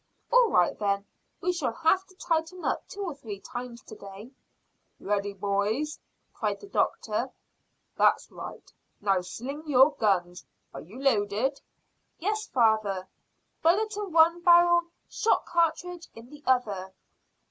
"All right, then. We shall have to tighten up two or three times to day." "Ready, boys?" cried the doctor. "That's right. Now sling your guns. Are you loaded?" "Yes, father bullet in one barrel, shot cartridge in the other."